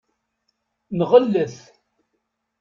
Nɣellet.